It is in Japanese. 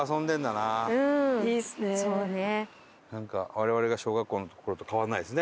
なんか我々が小学校の頃と変わらないですね